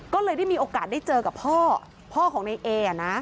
ก็เลยได้มีโอกาสได้เจอกับพ่อพ่อของในเอนะ